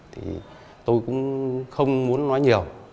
thì tôi cũng không muốn nói nhiều